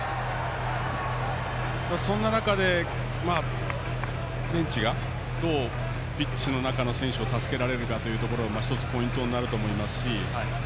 そんな中でベンチがどうピッチの中の選手を助けられるかが１つポイントになると思います。